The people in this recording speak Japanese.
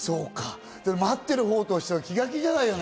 待っているほうとしては気が気じゃないよね。